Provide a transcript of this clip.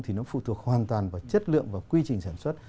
thì nó phụ thuộc hoàn toàn vào chất lượng và quy trình sản xuất